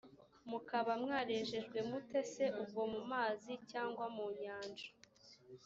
mukaba mwarejejwe mutese ubwo mumazi cyangwa munyanja